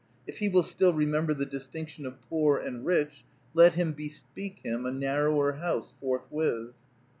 If he will still remember the distinction of poor and rich, let him bespeak him a narrower house forthwith.